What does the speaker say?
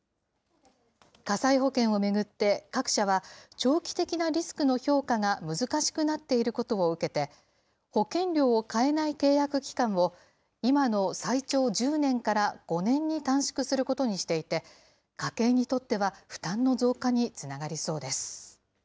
火災保険を巡って、各社は長期的なリスクの評価が難しくなっていることを受けて、保険料を変えない契約期間を今の最長１０年から５年に短縮することにしていて、家計にとっては負担の増加につながりそうです。